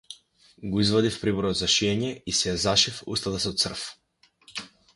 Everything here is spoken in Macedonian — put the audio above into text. Го извадив приборот за шиење и си ја зашив устата со црв.